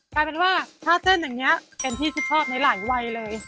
กลายเป็นว่าถ้าเส้นอย่างนี้เป็นที่ชื่นชอบในหลายวัยเลย